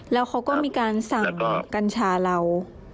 แล้วเขาก็มีการสั่งกัญชาเรา